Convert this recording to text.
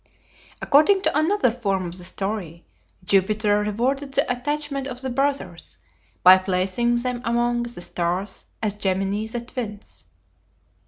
According to another form of the story, Jupiter rewarded the attachment of the brothers by placing them among the stars as Gemini the Twins.